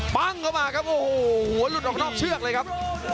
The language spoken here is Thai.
ปั๊งเข้ามาครับโอ้โหลุดออกข้างนอกเชือกเลยครับ